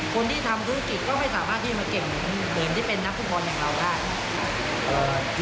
คนที่ทำธุรกิจก็ไม่สามารถที่จะมาเก็บเหรียญที่เป็นนักฟุตบอลอย่างเราได้